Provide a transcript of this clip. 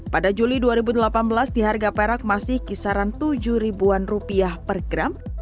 pada juli dua ribu delapan belas di harga perak masih kisaran rp tujuh an per gram